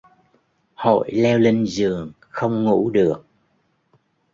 Hội leo lên giường không ngủ được